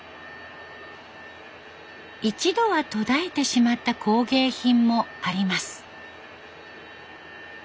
一度は途絶えてしまった工芸品もあります。